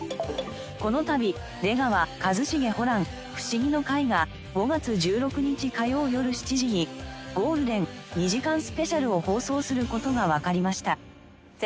このたび『出川一茂ホラン☆フシギの会』が５月１６日火曜よる７時にゴールデン２時間スペシャルを放送する事がわかりました。